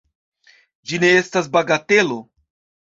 Ĝi ne estas bagatelo!